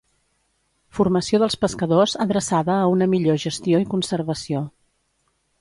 Formació dels pescadors adreçada a una millor gestió i conservació.